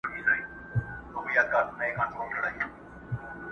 خلکو مړي ښخول په هدیرو کي؛